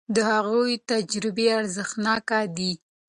د هغوی تجربې ارزښتناکه دي.